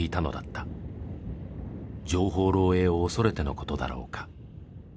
情報漏洩を恐れてのことだろうか。